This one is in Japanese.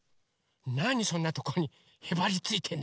なにそんなとこにへばりついてんのよ。